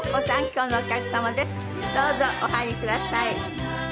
どうぞお入りください。